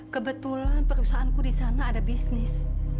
kebetulan perusahaanku di sana ada bisnis